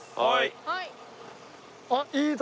はい。